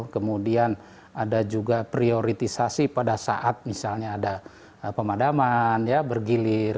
kemudian ada juga prioritisasi pada saat misalnya ada pemadaman bergilir